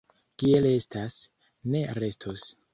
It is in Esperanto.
Kiel estas, ne restos.